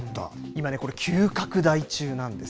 今ね、これ、急拡大中なんです。